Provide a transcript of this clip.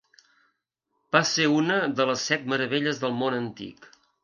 Va ser una de les Set Meravelles del Món Antic.